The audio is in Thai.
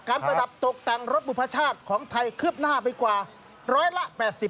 ประดับตกแต่งรถบุพชาติของไทยคืบหน้าไปกว่าร้อยละ๘๐